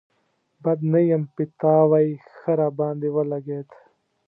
بد نه يم، پيتاوی ښه راباندې ولګېد.